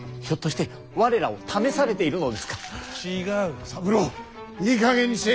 ひょっとして我らを試されているのですか？